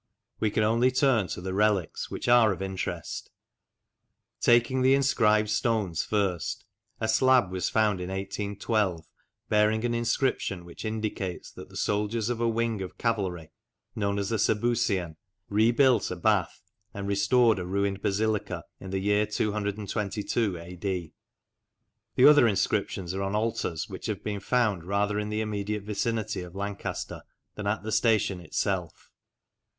We can only turn to the relics, which are of interest. Taking the inscribed stones first, a slab was found in 1812 bearing an inscrip tion which indicates that the soldiers of a wing of cavalry known as the " Sebusian " rebuilt a bath and E 50 MEMORIALS OF OLD LANCASHIRE restored a ruined basilica in the year 222 A.D. The other inscriptions are on altars which have been found rather in the immediate vicinity of Lancaster than at the station itself.